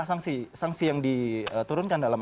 sangsi sangsi yang diturunkan dalam